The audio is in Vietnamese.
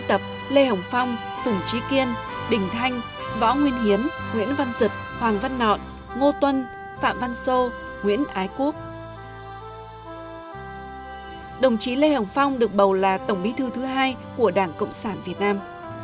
đồng chí lê hồng phong được bầu là tổng bí thư thứ hai của đảng cộng sản việt nam